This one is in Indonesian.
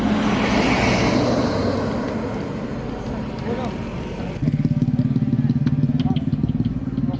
dua ratus meteran ya